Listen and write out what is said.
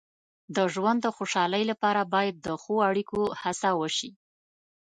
د ژوند د خوشحالۍ لپاره باید د ښو اړیکو هڅه وشي.